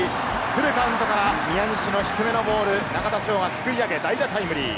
フルカウントから宮西の低めのボール、中田翔がすくい上げ、代打タイムリー。